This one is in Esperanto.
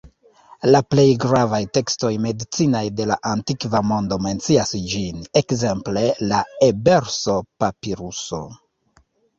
La plej gravaj tekstoj medicinaj de la antikva mondo mencias ĝin, ekzemple la Ebers-papiruso.